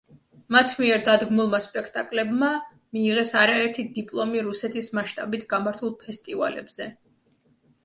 მათ მიერ დადგმულმა სპექტაკლებმა მიიღეს არაერთი დიპლომი რუსეთის მასშტაბით გამართულ ფესტივალებზე.